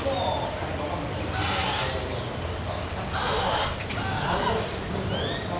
今は、中山さんの後ろ、茶色いお宅なんですが、ちょっとやっぱり、高床式って言ったらいいんですか。